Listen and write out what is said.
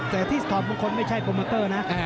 แต่ที่ถอดคนไม่ใช่โปรเมอร์เตอร์นะ